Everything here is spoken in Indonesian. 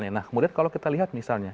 nah kemudian kalau kita lihat misalnya